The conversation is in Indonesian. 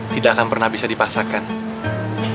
tidak akan pernah bisa dipaksakan